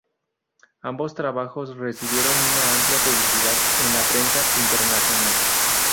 Ambos trabajos recibieron una amplia publicidad en la prensa internacional.